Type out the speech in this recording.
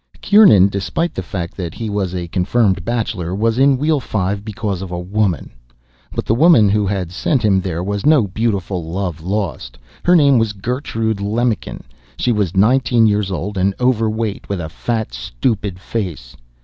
Kieran, despite the fact that he was a confirmed bachelor, was in Wheel Five because of a woman. But the woman who had sent him there was no beautiful lost love. Her name was Gertrude Lemmiken; she was nineteen years old and overweight, with a fat, stupid face.